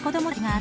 あ。